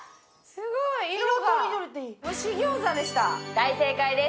大正解です。